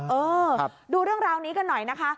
เออดูเรื่องราวนี้กันหน่อยนะคะ